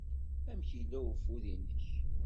Amek yella ufud-nnek?